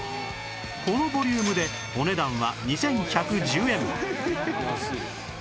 このボリュームでお値段は２１１０円